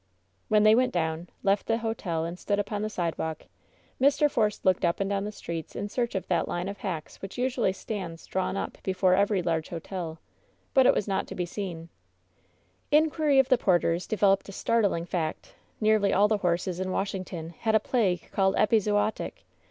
When they went down, left the hotel and stood upon the sidewalk, Mr. Force looked up and down the streets in search of that line of hacks which usually stands drawn up before every large hotel. But it was not to be seeil. » Inquiry of the porters developed a startling fact — nearly all the horses in Washington had a plague called epizootic.